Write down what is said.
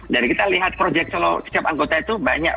dan kita lihat projek solo setiap anggota itu banyak